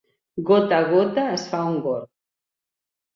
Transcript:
Gota a gota es fa un gorg.